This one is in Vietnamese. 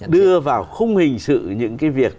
đưa vào khung hình sự những cái việc